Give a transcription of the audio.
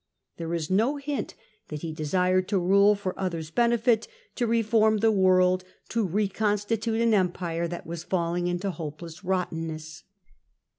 There is no hint that ho desired to rule for others' benefit, to reform the world, to reconstitute an empire that was falling into hopolesB rottenness.